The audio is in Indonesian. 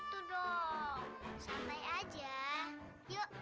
bawa air game itu